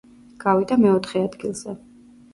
გავიდა მეოთხე ადგილზე.